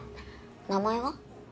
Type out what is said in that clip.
名前は？